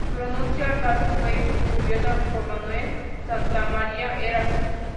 Su renuncia al cargo fue cubierta por Manuel Santamaría Heras.